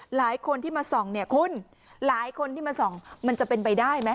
หลายคนที่มาส่องเนี่ยคุณหลายคนที่มาส่องมันจะเป็นไปได้ไหม